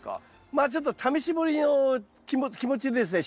まあちょっと試し掘りの気持ちでですね